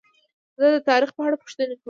زه د تاریخ په اړه پوښتنې کوم.